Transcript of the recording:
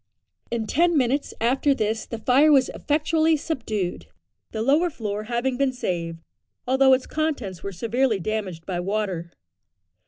In ten minutes after this the fire was effectually subdued, the lower floor having been saved, although its contents were severely damaged by water.